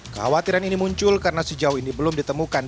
kekhawatiran ini muncul karena sejauh ini belum ditemukan